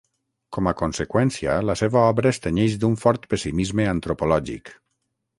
Com a conseqüència, la seva obra es tenyeix d'un fort pessimisme antropològic.